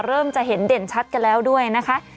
เริ่มจะเห็นเด่นชัดกันแล้วด้วยนะคะ